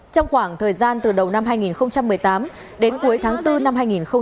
trong khoảng thời gian từ đầu năm hai nghìn một mươi tám đến cuối tháng bốn năm hai nghìn một mươi chín